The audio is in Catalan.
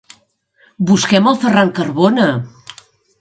Busquem el Ferran Carbona!